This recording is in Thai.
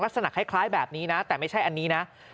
ลักษณะคล้ายแบบนี้นะแต่ไม่ใช่อันนี้นะ